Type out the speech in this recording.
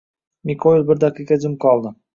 Mikoyil bir daqiqa jim qoldi